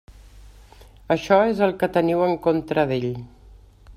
Això és el que teniu en contra d'ell.